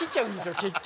結局。